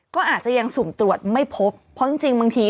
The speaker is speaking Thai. ก็อาจจะยังสุ่มตรวจไม่พบเพราะจริงบางที